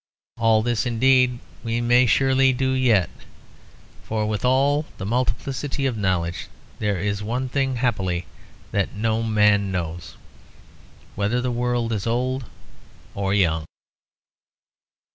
All this, indeed, we may surely do yet; for with all the multiplicity of knowledge there is one thing happily that no man knows: whether the world is old or young.